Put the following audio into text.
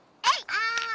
あ！